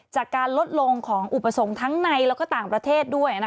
จากการลดลงของอุปสรรคทั้งในแล้วก็ต่างประเทศด้วย